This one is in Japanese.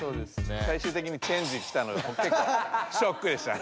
最終的にチェンジきたのがけっこうショックでした。